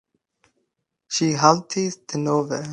Ŝi haltis denove.